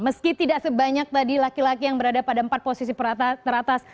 meski tidak sebanyak tadi laki laki yang berada pada empat posisi teratas